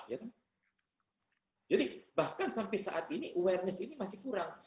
jadi bahkan sampai saat ini awareness ini masih kurang